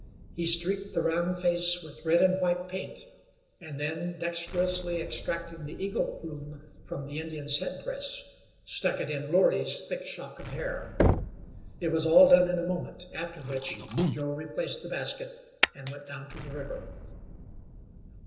He streaked the round face with red and white paint, and then, dexterously extracting the eagle plume from the Indian's head dress, stuck it in Loorey's thick shock of hair. It was all done in a moment, after which Joe replaced the basket, and went down to the river.